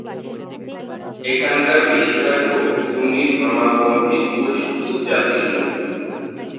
এখানকার বেশির ভাগ লোক সুন্নি ধর্মাবলম্বী পশতু জাতির লোক।